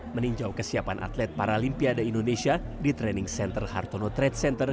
meninjau kesiapan atlet paralimpiade indonesia di training center hartono trade center